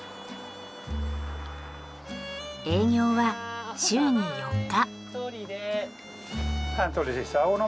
営業は週に４日。